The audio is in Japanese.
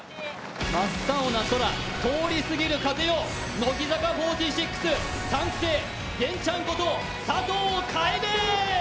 真っ青な空、通り過ぎる風を乃木坂４６、３期生でんちゃんこと佐藤楓。